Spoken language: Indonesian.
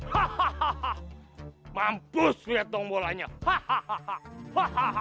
bro mata suara pengantin saya agak bereich